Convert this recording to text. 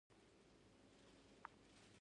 د پېښور راډیو په څپو کې مې په مټې خوارۍ واورېده.